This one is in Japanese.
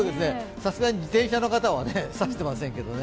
さすがに自転車の方は差していませんけどね。